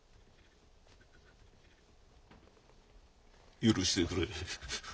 許してくれ。